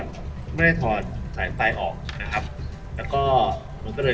สวัสดีครับวันนี้เราจะกลับมาเมื่อไหร่